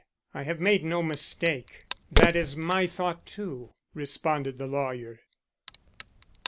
I have made no mistake. That is my thought, too," responded the lawyer.